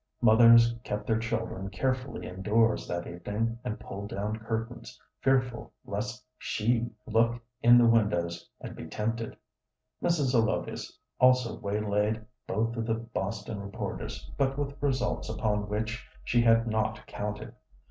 Mothers kept their children carefully in doors that evening, and pulled down curtains, fearful lest She look in the windows and be tempted. Mrs. Zelotes also waylaid both of the Boston reporters, but with results upon which she had not counted.